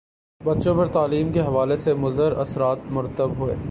بچوں پر تعلیم کے حوالے سے مضراثرات مرتب ہوئے